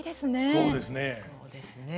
そうですね。